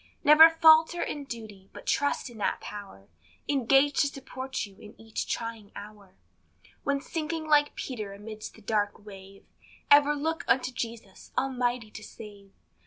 Never falter in duty, but trust in that power Engaged to support you in each trying hour; When sinking like Peter amidst the dark wave, Ever look unto Jesus, almighty to save.